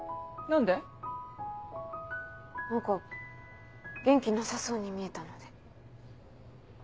何か元気なさそうに見えたので。